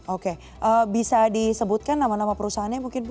oke bisa disebutkan nama nama perusahaannya mungkin